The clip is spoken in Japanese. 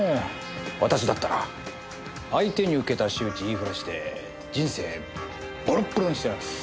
私だったら相手に受けた仕打ち言いふらして人生ボロボロにしてやります。